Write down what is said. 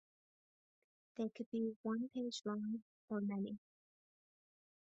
They could be one page long or many.